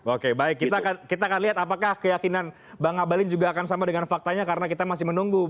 oke baik kita akan lihat apakah keyakinan bang abalin juga akan sama dengan faktanya karena kita masih menunggu